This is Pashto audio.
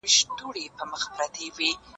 شمعي مه تویوه اوښکي لمبه پورته که درځمه